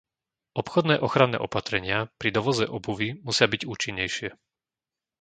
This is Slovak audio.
Obchodné ochranné opatrenia pri dovoze obuvi musia byť účinnejšie.